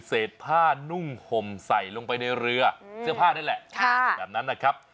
เศษผ้านุ่งห่มใส่ลงไปในเรือเสื้อผ้านี่แหละแบบนั้นนะครับ